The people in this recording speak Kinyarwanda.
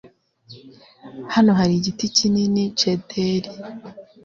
Hano hari igiti kinini cederi.